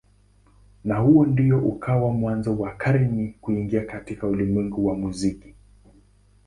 Na huu ndio ukawa mwanzo wa Carey kuingia katika ulimwengu wa muziki.